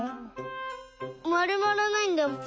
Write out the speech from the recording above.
まるまらないんだもん。